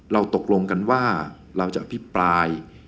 เราตกลงกันว่าเราจะอภิปราย